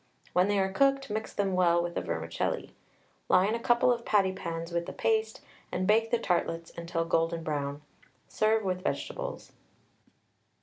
When they are cooked mix them well with the vermicelli. Line a couple of patty pans with the paste, and bake the tartlets until golden brown. Serve with vegetables.